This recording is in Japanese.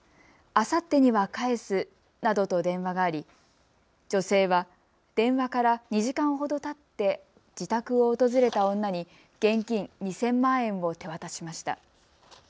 あさってには返すなどと電話があり女性は電話から２時間ほどたって自宅を訪れた女に現金２０００万円を手渡しました。